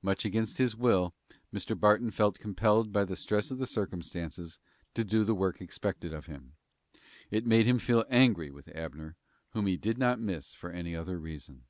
Much against his will, Mr. Barton felt compelled by the stress of circumstances to do the work expected of him. It made him feel angry with Abner, whom he did not miss for any other reason.